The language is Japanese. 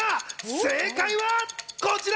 正解はこちら。